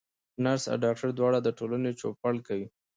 نرس او ډاکټر دواړه د ټولني چوپړ کوي.